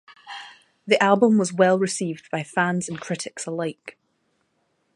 The album was well received by fans and critics alike.